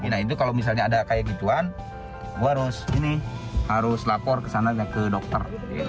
nah itu kalau misalnya ada kayak gituan gue harus ini harus lapor ke sana ke dokter